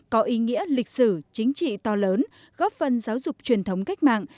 có ý nghĩa lịch sử chính trị to lớn góp phần giáo dục truyền thống cách mạng